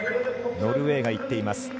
ノルウェーがいっています。